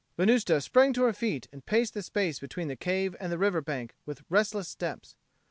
Venusta sprang to her feet and paced the space between the cave and the river bank with restless steps.